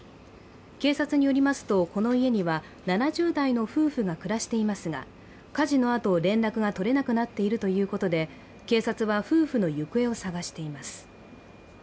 警察によりますと、この家には７０代の夫婦が暮らしていますが火事のあと、連絡が取れなくなっているということで警察は夫婦の行方を捜しています。